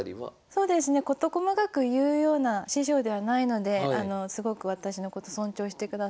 そうですね事細かく言うような師匠ではないのですごく私のこと尊重してくださっていますね。